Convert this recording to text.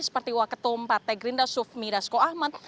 seperti waketum partai grinda sufmi rasko ahmad